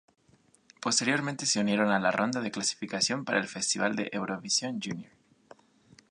Posteriormente se unieron a la ronda de clasificación para el Festival de Eurovisión Junior.